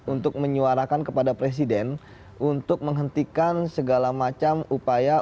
untuk menyuarakan kepada presiden untuk menghentikan segala macam upaya